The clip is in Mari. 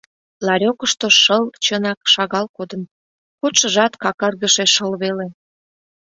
Ларёкышто шыл, чынак, шагал кодын, кодшыжат какаргыше шыл веле.